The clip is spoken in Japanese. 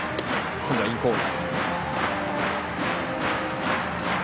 今度はインコース。